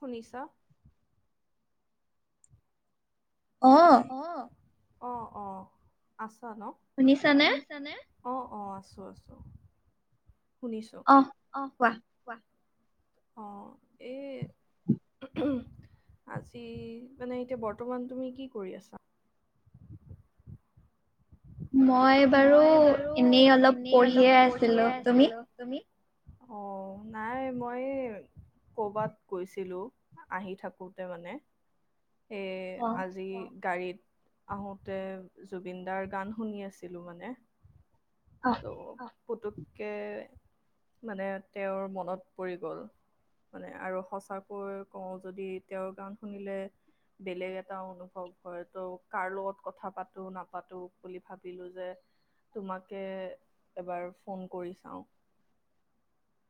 শুনিছ? অ'। অ'। অ', অ' আছ ন'? শুনিছানে? অ', অ' আছোঁ আছোঁ। শুনিছোঁ। অ' কোৱা। অ' এ আজি মানে এতিয়া বৰ্তমান তুমি কি কৰি আছা? মই বাৰু এনেই অলপ পঢ়িয়ে আছিলোঁ। তুমি? অ', নাই মই এই ক'বাত গৈছিলোঁ, আহি থাকোতে মানে এই আজি গাড়ীত আহোঁতে জুবিন দাৰ গান শুনি আছিলোঁ মানে। ত' পুটোককে মানে তেওঁৰ মনত পৰি গ'ল। মানে আৰু সঁচাকৈ কওঁ যদি তেওঁৰ গান শুনিলে বেলেগ এটা অনুভৱ হয় ত' কাৰ লগত কথা পাতো নাপাতো বুলি ভাবিলো যে তোমাকে এবাৰ ফোন কৰি চাওঁ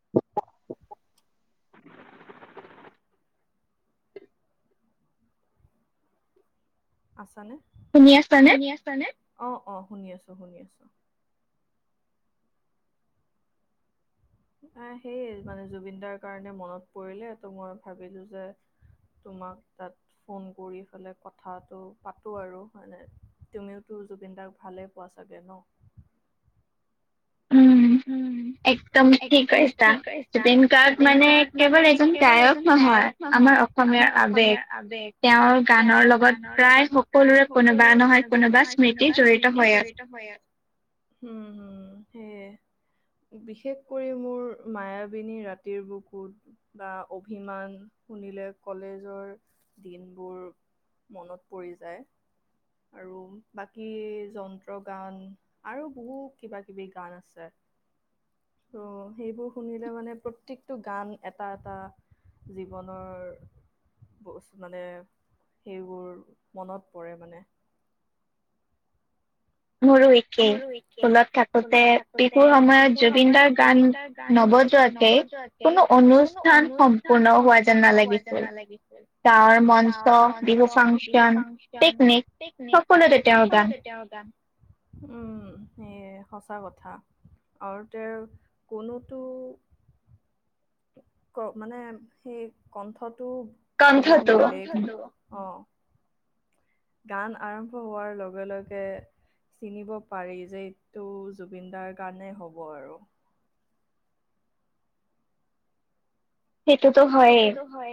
[inaudible] আছানে শুনি আছানে? ছানে অ অ শুনি আছো শুনি আছো এ সেইয়ে মানে জুবিন দাৰ কাৰণে মনত পৰিলে তো মই ভাবিলো যে তোমাক তাত ফোন কৰি পেলাই কথাটো পাতো আৰু মানে তুমিওতো জুবিন দাক ভালে পোৱা চাগে ন? উম একদম কি কৈ আছা জুবিন গাৰ্গ মানে কেৱল এজন গায়ক নহয়, আমাৰ অসমীয়াৰ আবেগ তেওঁৰ গানৰ লগত প্ৰায় সকলোৰে কোনোবা নহয়, কোনোবা স্মৃতি জড়িত হৈ আছে। উম, সেইয়ে। বিশেষ কৰি মোৰ মায়াবিনী ৰাতিৰ বুকুত। বা অভিমান শুনিলে কলেজৰ দিনবোৰ মনত পৰি যায়। আৰু বাকী যন্ত্ৰ গান আৰু বহুত কিবা কিবি গান আছে। ত' সেইবোৰ শুনিলে মানে প্ৰত্যেকটো গান এটা এটা জীৱনৰ ব মানে সেইবোৰ মনত পৰে মানে। মোৰো একেই স্কুলত থাকোতে বিহুৰ সময়ত জুবিনদাৰ গান নবজোৱাকে কোনো অনুষ্ঠান সম্পূৰ্ণ হোৱা যেন নালাগিছিল। গাঁৱৰ মঞ্চ বিহু ফাংচন পিকনিক সকলোতে তেওঁৰ গান। উম, সেই সঁচা কথা আৰু তেওঁৰ কোনোতো ক মানে সেই কণ্ঠটো ইমান বেলেগ অ'। গান আৰম্ভ হোৱাৰ লগে লগে চিনিব পাৰি যে এইটো জুবিনদাৰ গানেই হ'ব আৰু। সেইটোতো হয়েই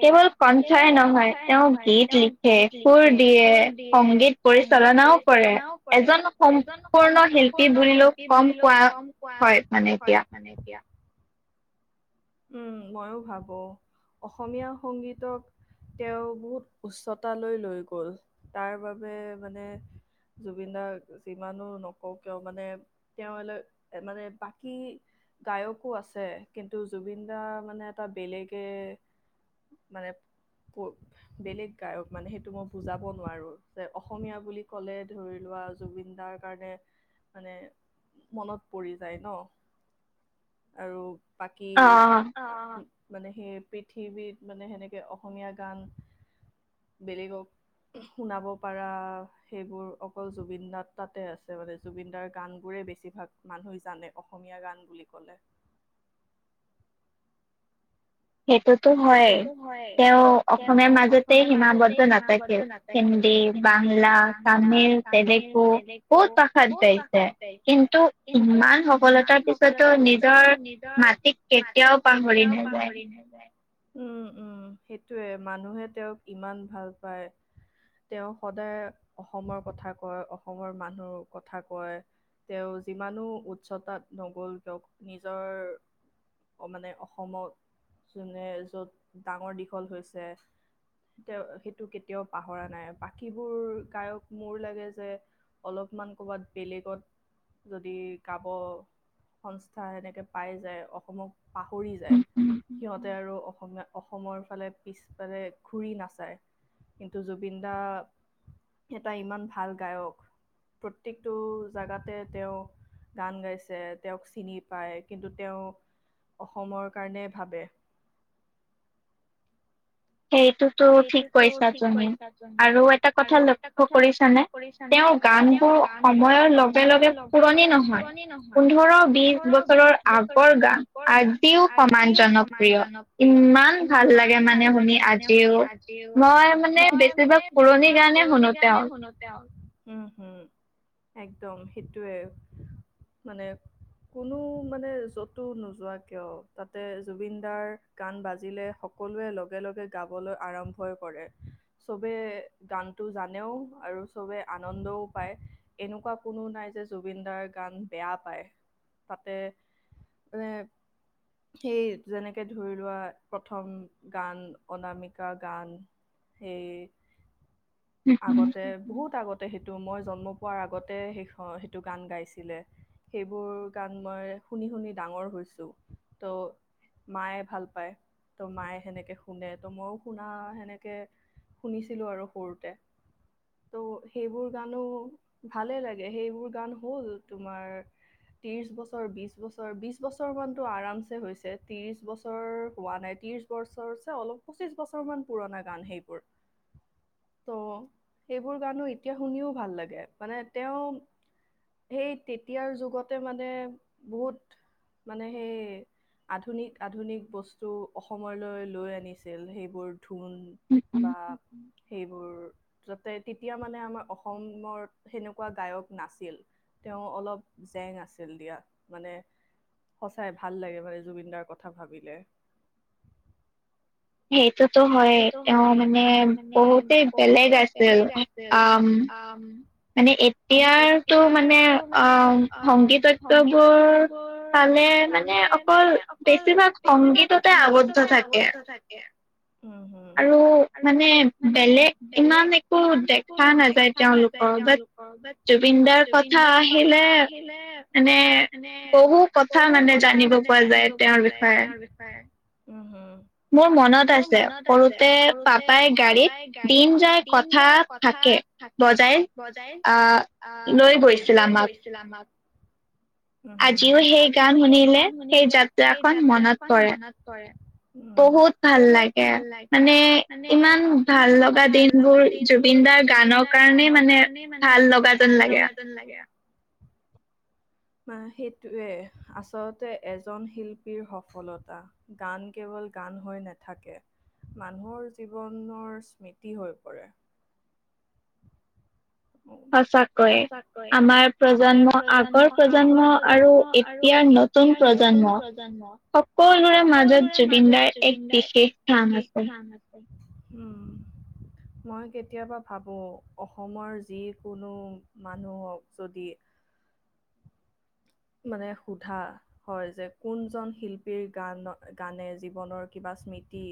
কেৱল কণ্ঠই নহয় তেওঁ গীত লিখে। সুৰ দিয়ে সংগীত পৰিচালনাও কৰে এজন সম্পূৰ্ণ শিল্পী বুলিলেও কম কোৱা হয়, মানে এতিয়া। উম, ময়ো ভাবো অসমীয়া সংগীতক তেওঁ বহুত উচ্চতালৈ লৈ গ'ল তাৰ বাবে মানে জুবিন দাক যিমানো নকওঁ কিয় মানে তেওঁলৈ মানে বাকী গায়কো আছে কিন্তু জুবিন দা মানে এটা বেলেগে মানে বেলেগ গায়ক মানে সেইটো মই বুজাব নোৱাৰোঁ যে, অসমীয়া বুলি ক'লে ধৰি লোৱা জুবিন দাৰ কাৰণে মানে মনত পৰি যায় ন' আৰু কি মানে সেই পৃথিৱীত মানে সেনেকে অসমীয়া গান বেলেগক শুনাব পাৰা সেইবোৰ অকল জুবিন দাৰ তাতে আছে মানে। জুবিনদাৰ গানবোৰেই বেছিভাগ মানুহই জানে অসমীয়া গান বুলি ক'লে। সেইটোতো হয়েই তেওঁ অসমীয়াৰ মাজতে সীমাবদ্ধ নাথাকিল। হিন্দী, বাংলা, তামিল, তেলেগু বহুত ভাষাত গাইছে কিন্তু ইমান সফলতাৰ পিছতো নিজৰ মাটিক কেতিয়াও পাহৰি নাযায়। উম, উম, সেইটোয়ে মানুহে তেওঁক ইমান ভাল পায়। তেওঁ সদায় অসমৰ কথা কয় অসমৰ মানুহৰ কথা কয়। তেওঁ যিমানো উচ্চতাত নগ'ল তেওঁক নিজৰ মানে অসমত যোনে য'ত ডাঙৰ দীঘল হৈছে। তেওঁ সেইটো কেতিয়াও পাহৰা নাই বাকীবোৰ গায়ক মোৰ লাগে যে অলপমান ক'বাত বেলেগত যদি কাব সংস্থা এনেকৈ পাই যায় অসমক পাহৰি যায় সিহঁতে আৰু অসমীয়া অসমৰ ফালে পিছফালে ঘূৰি নাচায়। কিন্তু জুবিন দা এটা ইমান ভাল গায়ক। প্ৰত্যেকটো জাগাতে তেওঁ গান গাইছে তেওঁক চিনি পায় কিন্তু, তেওঁ অসমৰ কাৰণে ভাবে। সেইটোতো ঠিক কৈছা তুমি আৰু এটা কথা লক্ষ্য কৰিছানে? তেওঁৰ গানবোৰ সময়ৰ লগে লগে পুৰণি নহয় পোন্ধৰ বিশ বছৰৰ আগৰ গান আজিও সমান জনপ্ৰিয় ইমান ভাল লাগে মানে শুনি আজি আজিও মই মানে বেছিভাগ পুৰণি গানে শুনো তেওঁ উম হুম একদম সেইটোৱে মানে কোনো মানে যতো নোযোৱা কিয় তাতে জুবিন দাৰ গান বাজিলে সকলোৱে লগে লগে গাবলৈ আৰম্ভই কৰে। চবেই গানতটো জানেও আৰু চবেই আনন্দও পায়। এনেকুৱা কোনো নাই যে জুবিন দাৰ গান বেয়া পায় তাতে মানে। সেই যেনেকে ধৰি লোৱা প্ৰথম গান অনামিক কা গান সেই আগত তে বহুত আগতে সেইটো মই জন্ম পোৱাৰ আগতে সেই সেইটো গান গাইছিলে। সেইবোৰ গান মই শুনি শুনি ডাঙৰ হৈছো ত' মায়ে ভাল পায় ত' মায়ে সেনেকে শুনে ত' মইও শুনা সেনেকে শুনিছিলোঁ আৰু সৰুতে ত' সেইবোৰ গানো ভালে লাগে সেইবোৰ গান হ'ল তোমাৰ ত্ৰিছ বছৰ, বিছ বছৰ, বিছ বছৰমানতটো আৰামছে হৈছে ত্ৰিছ বছৰ হোৱা নাই ত্ৰিছ বছৰতছে অলপ পঁচিশ বছৰ মান পুৰণা গান সেইবোৰ। ত' সেইবোৰ গানো এতিয়া শুনিও ভাল লাগে মানে তেওঁ সেই তেতিয়াৰ যুগতে মানে বহুত মানে সেই আধুনিক আধুনিক বস্তু অসমলৈ লৈ আনিছিল সেই বোৰ ধোন বা সেইবোৰ তাতে তেতিয়া মানে আমাৰ অসমত সেনেকুৱা গায়ক নাছিল। তেওঁ অলপ জেং আছিল দিয়াত মানে সঁচাই ভাল লাগে মানে জুবিন দাৰ কথা ভাবিলে। সেইটোতো হয়ে তেওঁ মানে বহুতেই বেলেগ আছিল আ উম মানে এতিয়াৰটো মানে উম সংগীত তৰ ফালে মানে অকল বেছিভাগ সংগীততে আৱদ্ধ থাকে। উম হম। আৰু মানে বেলেগ ইমান একো দেখা নাযায় তেওঁলোক কৰবাত জুবিন দাৰ কথা আহিলে মানে বহু কথা মানে জানিব পোৱা যায় তেওঁৰ বিষয়ে। উম, হুম, মোৰ মনত আছে সৰুতে পাপাই গাড়ীত দিন যাই কথা থাকে বজাই আহ লৈ গৈছিল আমাক। উম, হুম হুম আজিও সেই গান শুনিলে সেই যাত্ৰাখন মনত পৰে। উম, বহুত ভাল লাগে মানে ইমান ভাল লগা দিনবোৰ জুবিন দাৰ গানৰ কাৰণেই মানে ভাল লগা যেন লাগে। সেইটোৱে আচলতে এজন শিল্পীৰ সফলতা। গান কেৱল গান হৈ নাথাকে। মানুহৰ জীৱনৰ স্মৃতি হৈ পৰে। সঁচাকৈয়ে আমাৰ প্ৰজন্ম আগৰ প্ৰজন্ম আৰু এ এতিয়া নতুন প্ৰজন্ম সকলোৰে মাজত জুবিনদাৰ এক বিশেষ নাম আছে। উম, মই কেতিয়াবা ভাবো অসমৰ যি যিকোনো মানুহক যদি মানে সোধা? হয় যে কোনজন শিল্পীৰ গান গানে জীৱনৰ কিবা স্মৃতি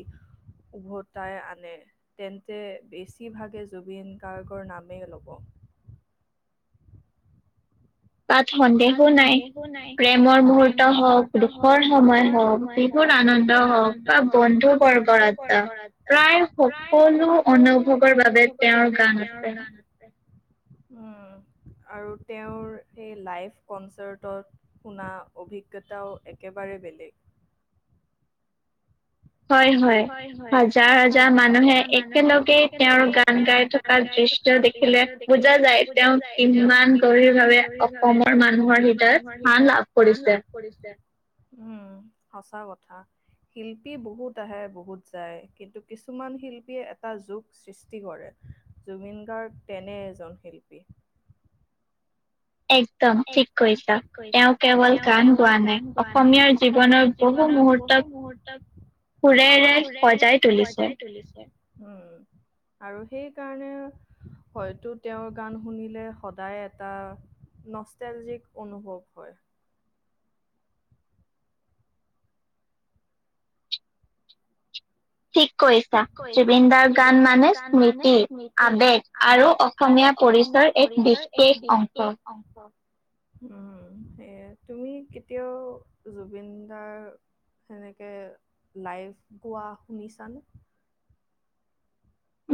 উভতাই আনে। তেন্তে বেছিভাগেই জুবিন গাৰ্গৰ নামেই ল'ব। তাত সন্দেহো নাই প্ৰেমৰ মুহূৰ্ত হওঁক, দুখৰ সময় হওঁক, বিহুৰ আনন্দ হওঁক বা বন্ধু বৰ্গৰ আডা প্ৰায় সকলো অনুভৱৰ বাবে তেওঁৰ গান উম, আৰু তেওঁৰ এই লাইভ কনচাৰ্টত শুনা অভিজ্ঞতাও একেবাৰে বেলেগ। হয়-হয় হাজাৰ হাজাৰ মানুহে একেলগে তেওঁৰ গান গাই থ তাত দৃশ্য দেখিলে বুজা যায় তেওঁ কিমান দৰি ভাৱে অসমৰ মানুহৰ হিদয়ত লাভ কৰিছে উম, সঁচা কথা। শিল্পী বহুত আহে বহুত যায় কিন্তু কিছুমান শিল্পীয়ে এটা যুগ, সৃষ্টি কৰে জুবিন গাৰ্গ তেনে এজন শিল্পী। এক [unintelligible] একদম ঠিক কৈছা তেওঁ কেৱল গান গোৱা নাই। অসমীয়াৰ জীৱনৰ বহু মুহূৰ্তত [inaudible] সুৰে সুৰেৰে সজাই তুলিছে উম, আৰু সেইকাৰণে হয়তো তেওঁৰ গান শুনিলে সদায় এটা নষ্টজিক অনুভৱ হয়। ঠিক কৈছা জুবিনদাৰ গান মানে স্মৃতি, আবেগ। আৰু অসমীয়া পৰিচয় এক বিশেষ অংশ। উম, সেয়ে তুমি কেতিয়াও জুবিন দাৰ সেনেকে লাইভ গোৱা শুনি চানে।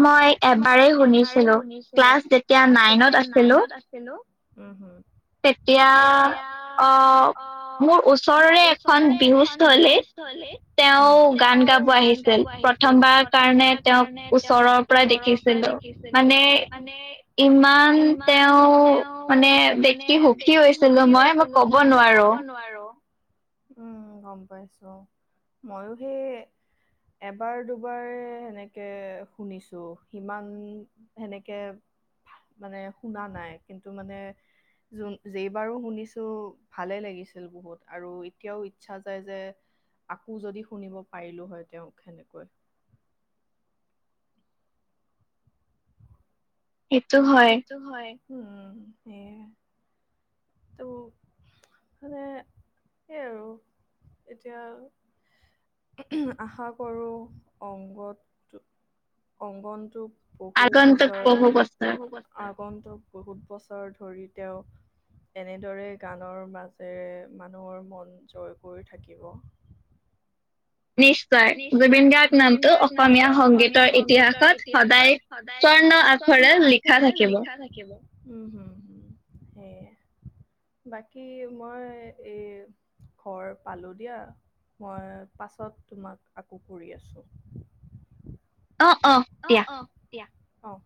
মই মই এবাৰ শুনিছিলো ক্লাছ যেতিয়া নাইনত আছিলো। উম, তেতিয়া অ, মোৰ ওচৰৰে এখন বিহু তলিত তেওঁ গান গাব আহিছিল প্ৰথমবাৰ কাৰণে। তেওঁক ওচৰৰ পৰা দেখিছিলো মানে, ইমান তেওঁ মানে দেখি সুখী হৈছিলো মই, মই কব নোৱাৰো। উম গম পাইছো অ' মইয়ো সেই। এবাৰ দুবাৰ হেনেকে শুনিছো, সিমান সেনেকে মানে শুনা নাই, কিন্তু মানে জুন। যেই বাৰো শুনিছো ভালে লাগিছিল বহুত, আৰু এতিয়াও ইচ্ছা যায় যে। আকৌ যদি শুনিব পাৰিলোঁ হয় তেওঁক সেনেকৈ। সেইটো হয়। সেইটো হয় উম সেয়ে তো মানে সেই আৰু এতিয়া আশা কৰোঁ, অংগত অংগনটোক বহু বছৰ, আগন্তুক বহু বছৰ আগন্তুক বহুত বছৰ ধৰি তেওঁ এনেদৰে গানৰ মাজেৰে মানুহৰ মন জয় কৰি থাকিব। নিশ্চয়, জুবিন গাৰ্গ নামটো অসমীয়া সংগীতৰ ইতিহাসত সদায় স্বৰ্ণ আখৰে লিখা থাকিব। উ হো সেয়া। বাকী মই এই ঘৰ পালো দিয়া। মই পাছত তোমাক আকৌ কৰি আছোঁ। অ' অ' দিয়া অ'।